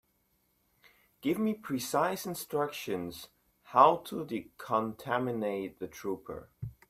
Give me precise instructions how to decontaminate the trooper.